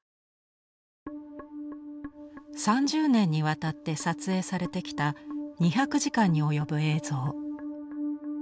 ３０年にわたって撮影されてきた２００時間に及ぶ映像。